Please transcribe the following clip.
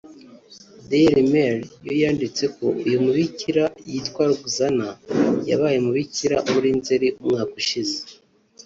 Daily Maily yo yanditse ko uyu mubikira yitwa Roxana yabaye umubikira muri Nzeri umwaka ushize